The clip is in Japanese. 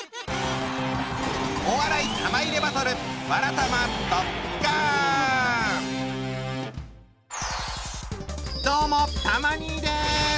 お笑い玉入れバトルどうもたま兄です！